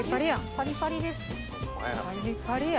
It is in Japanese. パリパリや。